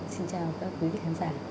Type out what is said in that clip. xin chào các quý vị khán giả